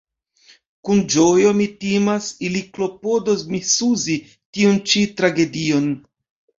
Kun ĝojo – mi timas – ili klopodos misuzi tiun ĉi tragedion.